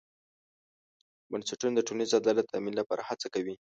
بنسټونه د ټولنیز عدالت د تامین لپاره هڅه کوي.